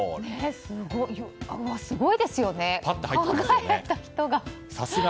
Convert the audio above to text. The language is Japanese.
すごいですよね、考えた人が。